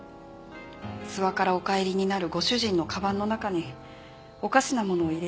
諏訪からお帰りになるご主人のかばんの中におかしなものを入れていたのは妹です。